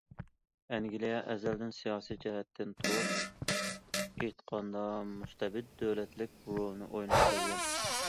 ئەنگلىيە ئەزەلدىن سىياسىي جەھەتتىن تۇرۇپ ئېيتقاندا مۇستەبىت دۆلەتلىك رولىنى ئويناپ كەلگەن.